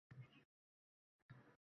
– Ustoz, nimaga olmayapsiz? – desam